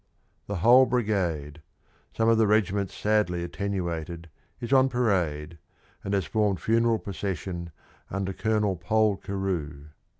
The whole Brigade, some of the regiments sadly attenuated, is on parade, and has formed funeral procession, under Colonel Pole Carew.